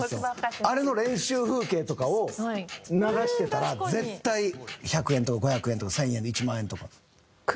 あれの練習風景とかを流してたら絶対１００円とか５００円とか１０００円１万円とか。